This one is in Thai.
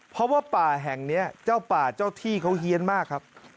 เพราะว่าป่าแห่งนี้เจ้าป่าเจ้าที่เขาเฮียนมากครับ